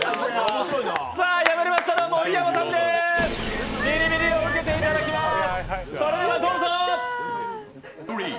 さあ、敗れましたのは盛山さん、ビリビリを受けていただきます。